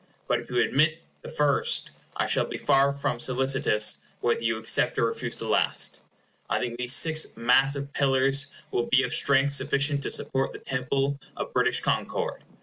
But if you admit the first, I shall be far from solicitous whether you accept or refuse the last. I think these six massive pillars will be of strength sufficient to support the temple of British concord.